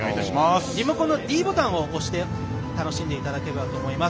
リモコンのｄボタンを押して楽しんでいただけたと思います。